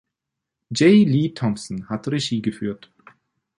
J. Lee Thompson hat Regie geführt.